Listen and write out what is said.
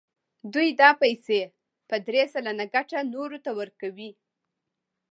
دوی دا پیسې په درې سلنه ګټه نورو ته ورکوي